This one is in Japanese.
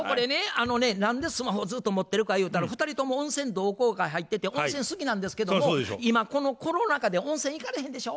あのね何でスマホずっと持ってるかゆうたら２人とも温泉同好会入ってて温泉好きなんですけども今このコロナ禍で温泉行かれへんでしょ？